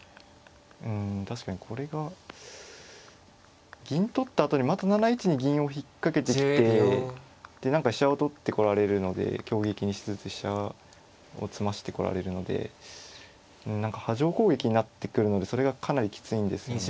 うん確かにこれが銀取ったあとにまた７一に銀を引っ掛けてきてで何か飛車を取ってこられるので挟撃にしつつ飛車を詰ましてこられるので何か波状攻撃になってくるのでそれがかなりきついんですよね。